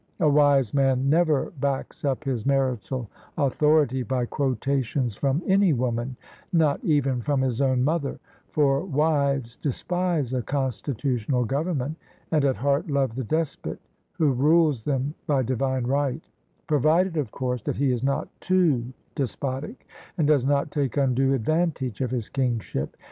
A wise man never backs up his marital author ity by quotations from any woman — ^not even from his own mother: for wives despise a constitutional government, and at heart love the despot who rules them by divine right; provided, of course, that he is not too despotic, and does not take undue advantage of his kingship.